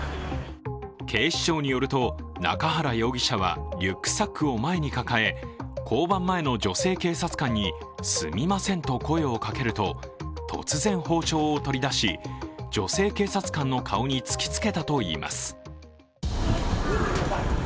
警視庁によると中原容疑者はリュックサックを前に抱え交番前の女性警察官に、すみませんと声をかけると、突然包丁を取り出し、女性警察官の顔に突きつけたといいます。